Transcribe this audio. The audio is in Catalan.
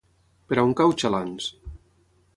Per on cau Xalans?